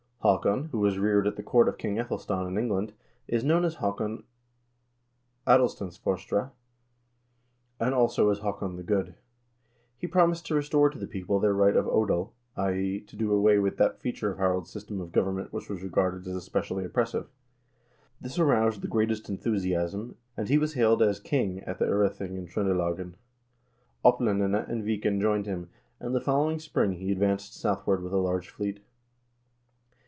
Haakon, who was reared at the court of King /Ethelstan of England, is known as Haakon Adelstensfostre, and, also, as Haakon the Good. He promised to restore to the people their right of odel, i.e. to do away with that feature of Harald's system of government which was regarded as especially oppressive. This aroused the greatest enthusiasm, and he was hailed as king at the 0rething in Tr0ndelagen. Oplandene and Viken joined him, and the following spring he advanced south ward with a large fleet.